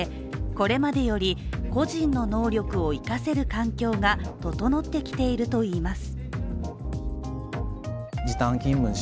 これまでより個人の能力を生かせる環境が整ってきているといいます。